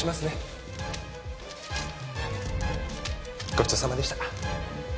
ごちそうさまでした。